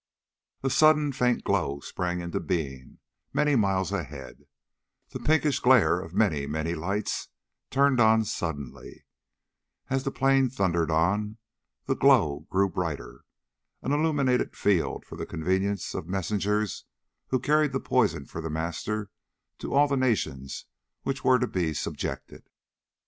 A sudden faint glow sprang into being, many miles ahead. The pinkish glare of many, many lights turned on suddenly. As the plane thundered on the glow grew brighter. An illuminated field, for the convenience of messengers who carried the poison for The Master to all the nations which were to be subjected.